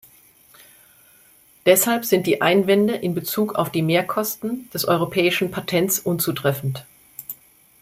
Deshalb sind die Einwände in Bezug auf die Mehrkosten des europäischen Patents unzutreffend.